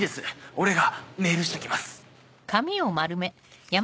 俺がメールしときます。